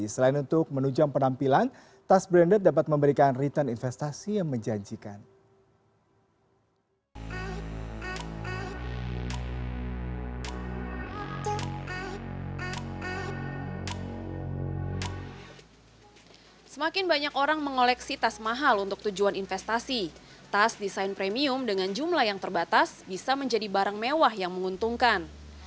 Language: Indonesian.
selain untuk menunjuk penampilan tas branded dapat memberikan return investasi yang menjanjikan